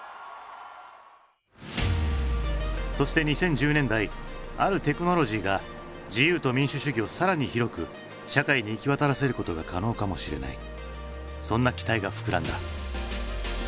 そして２０１０年代あるテクノロジーが自由と民主主義を更に広く社会に行き渡らせることが可能かもしれないそんな期待が膨らんだ。